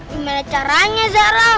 gimana caranya zara